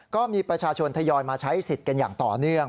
ก็มีประชาชนทยอยมาใช้สิทธิ์กันอย่างต่อเนื่อง